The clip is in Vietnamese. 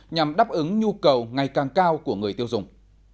nhằm đáp ứng nhu cầu ngày càng cao của người tiêu dùng